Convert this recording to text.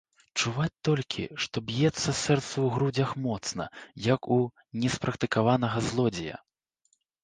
Чуваць толькі, што б'ецца сэрца ў грудзях моцна, як у неспрактыкаванага злодзея.